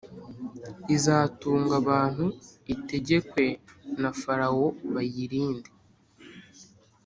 izatunga abantu itegekwe na Farawo bayirinde